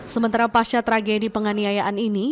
sementara pasca tragedi penganiayaan ini